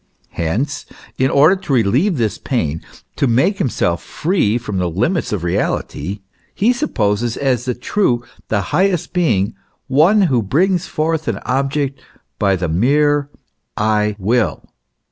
Hence, in order to relieve this pain, to make himself free from the limits of reality, he supposes as the true, the highest being, one who brings forth an object by the mere I WILL.